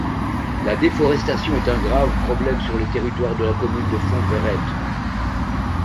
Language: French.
La déforestation est un grave problème sur le territoire de la commune de Fonds-Verrettes.